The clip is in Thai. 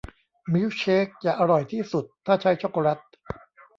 มิลค์เชคจะอร่อยที่สุดถ้าใช้ช็อคโกแล็ต